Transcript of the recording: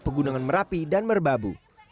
pegunungan merapi dan merbabu